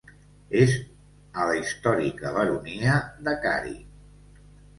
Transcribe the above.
És a la històrica baronia de Cary.